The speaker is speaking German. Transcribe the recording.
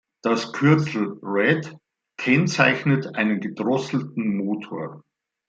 Das Kürzel "red" kennzeichnet einen gedrosselten Motor.